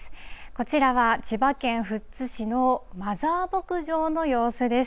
こちらは千葉県富津市のマザー牧場の様子です。